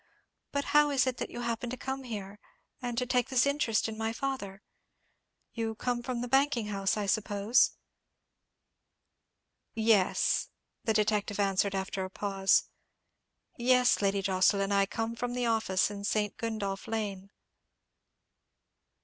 But how is it that you happen to come here, and to take this interest in my father? You come from the banking house, I suppose?" "Yes," the detective answered, after a pause, "yes, Lady Jocelyn, I come from the office in St. Gundolph Lane."